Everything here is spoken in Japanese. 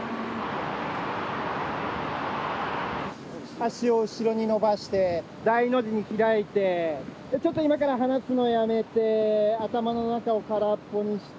脚を後ろに伸ばして大の字に開いてちょっと今から話すのやめて頭の中を空っぽにして。